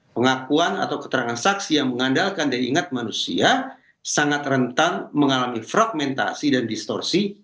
pengakuan atau keterangan saksi yang mengandalkan daya ingat manusia sangat rentan mengalami fragmentasi dan distorsi